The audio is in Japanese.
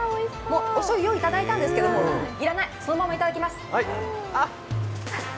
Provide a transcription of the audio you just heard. おしょうゆ、用意いただいたんですけど要らない、そのままいただきます。